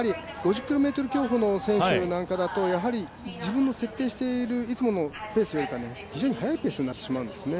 ５０ｋｍ競歩の選手なんかだと自分の設定しているいつものペースよりも非常に速いペースになってしまうんですね。